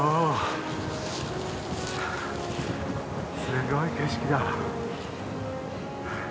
すごい景色だ。